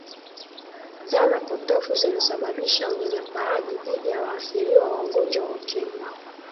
dhana potofu zilisababisha unyanyapaaji dhidi ya waathiriwa wa ugonjwa wa ukimwi